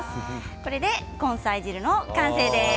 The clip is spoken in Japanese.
これで根菜汁の完成です。